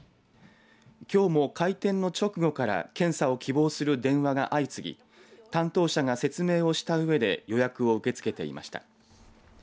きょうも開店の直後から検査を希望する電話が相次ぎ担当者が説明をしたうえで予約を受け付けていました。